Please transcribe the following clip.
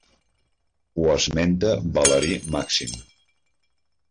Ho esmenta Valeri Màxim.